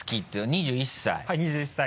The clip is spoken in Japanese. ２１歳。